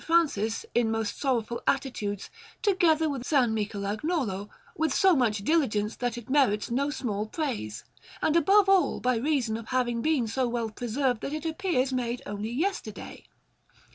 Francis, in most sorrowful attitudes, together with a S. Michelagnolo, with so much diligence that it merits no small praise, and above all by reason of having been so well preserved that it appears made only yesterday.